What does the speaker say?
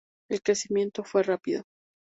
El crecimiento fue rápido.